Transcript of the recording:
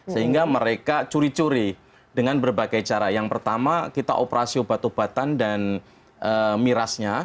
sehingga mereka curi curi dengan berbagai cara yang pertama kita operasi obat obatan dan mirasnya